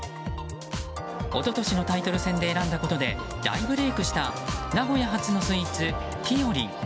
一昨年のタイトル戦で選んだことで大ブレークした名古屋発のスイーツ、ぴよりん。